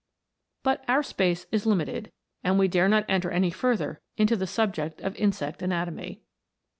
But our space is limited, and we dare not enter any further into the subject of insect anatomy.